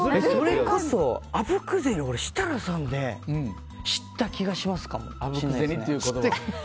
それこそ、あぶく銭俺、設楽さんで知った気がします。